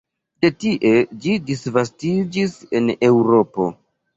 De tie ĝi disvastiĝis en Eŭropo.